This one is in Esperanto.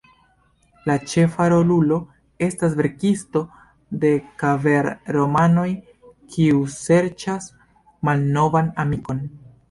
La ĉefa rolulo estas verkisto de vaker-romanoj, kiu serĉas malnovan amikon.